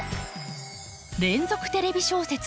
連続テレビ小説